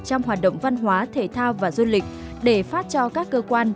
trong hoạt động văn hóa thể thao và du lịch để phát cho các cơ quan